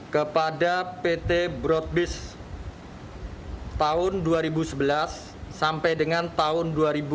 kepada pt broadbis tahun dua ribu sebelas sampai dengan tahun dua ribu tujuh belas